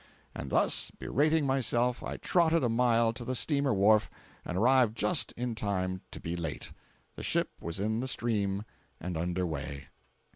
And thus berating myself I trotted a mile to the steamer wharf and arrived just in time to be too late. The ship was in the stream and under way.